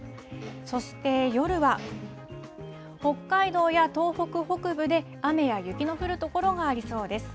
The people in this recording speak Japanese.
そして夜は、北海道や東北北部で雨や雪の降る所がありそうです。